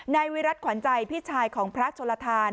นายวิรัติขวัญใจพี่ชายของพระชนลทาน